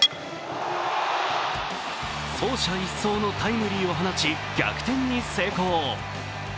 走者一掃のタイムリーを放ち逆転に成功。